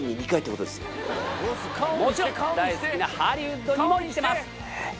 もちろん大好きなハリウッドにも行ってます。